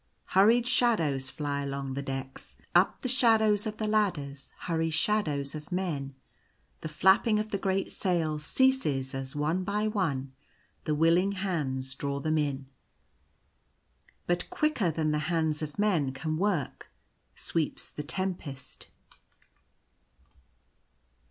Hurried shadows fly along the decks ; up the shadows of the ladders hurry shadows of men. The flapping of the great sails ceases as one by one the willing hands draw . them in. But quicker than the hands of men can work sweeps the tempest.